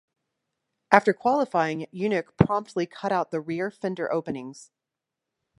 After qualifying, Yunick promptly cut out the rear fender openings.